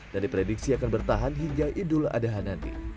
dan diprediksi akan bertahan hingga idul adahan nanti